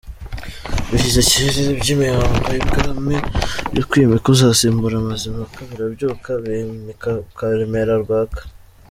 Bishyize kera iby'imihango y'ibwami byo kwimika uzasimbura Mazimpaka birabyuka; Bimika Karemera Rwaka.